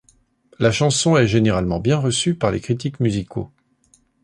La chanson est généralement bien reçue par les critiques musicaux.